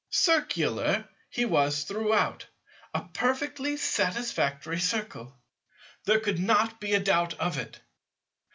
Circular he was throughout, a perfectly satisfactory Circle; there could not be a doubt of it.